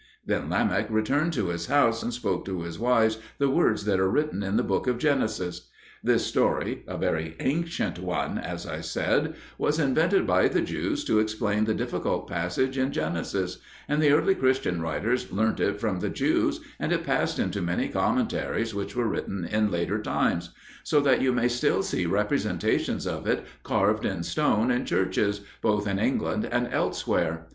Then Lamech returned to his house, and spoke to his wives the words that are written in the Book of Genesis. This story, a very ancient one, as I said, was invented by the Jews to explain the difficult passage in Genesis; and the early Christian writers learnt it from the Jews, and it passed into many commentaries which were written in later times; so that you may still see representations of it carved in stone in churches, both in England and elsewhere.